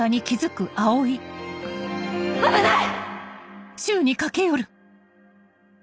危ない！